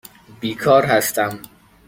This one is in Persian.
بیکار هستم.